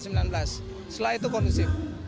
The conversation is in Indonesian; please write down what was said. setelah itu kondusif